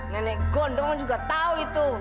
nenek gondong juga tahu itu